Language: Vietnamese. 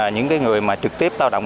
những người trực tiếp lao động